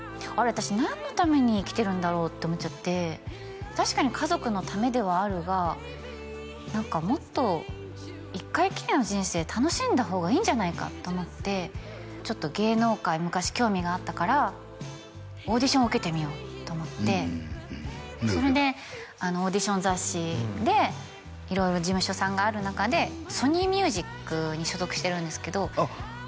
私何のために生きてるんだろうと思っちゃって確かに家族のためではあるが何かもっと１回きりの人生楽しんだ方がいいんじゃないかと思ってちょっと芸能界昔興味があったからオーディションを受けてみようと思ってそれでオーディション雑誌で色々事務所さんがある中でソニーミュージックに所属してるんですけどあっ